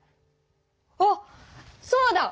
あっそうだ！